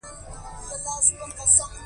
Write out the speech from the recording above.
خپلوانو لا څه پاچا دې ورور ژاړي.